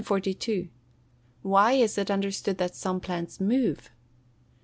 _Why is it understood that some plants move?